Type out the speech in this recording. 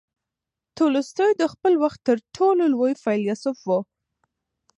تولستوی د خپل وخت تر ټولو لوی فیلسوف هم و.